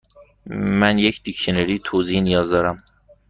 من یک دیکشنری توضیحی نیاز دارم.